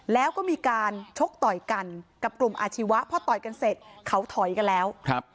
แล้วก็มีการชกต่อยกันกับกลุ่มอาชีวะพอต่อยกันเสร็จเขาถอยกันแล้วครับ